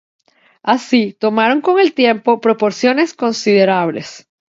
Así, tomaron con el tiempo proporciones considerables.